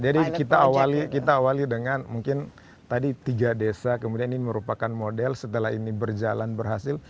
jadi kita awali dengan mungkin tadi tiga desa kemudian ini merupakan model setelah ini berjalan berhasil